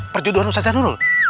perjodohan ustazah nulul